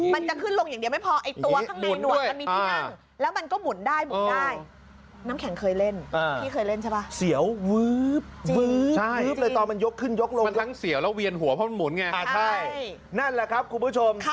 มันจะขึ้นลงอย่างเดียวไม่พอไอ้ตัวข้างในหนวดมันมีที่นั่ง